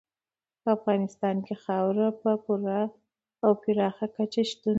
په افغانستان کې خاوره په پوره او پراخه کچه شتون لري.